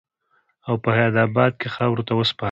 او پۀ حيات اباد کښې خاورو ته وسپارل شو